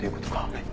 はい。